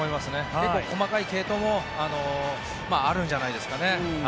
結構細かい継投もあるんじゃないですかね。